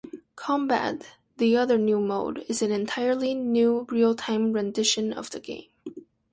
Combat, the other new mode, is an entirely new real-time rendition of the game.